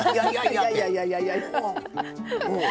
「いやいやいやいや」って。